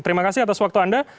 terima kasih atas waktu anda